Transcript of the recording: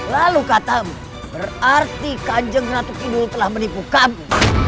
lalu katamu berarti kanjeng ratu kidul telah menipu kamu